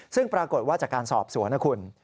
ซึ่งปรากฏว่าจากการสอบสวนนะคุณ